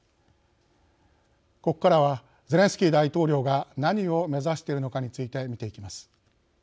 ここからはゼレンスキー大統領が何を目指してるのかについて見ていきます。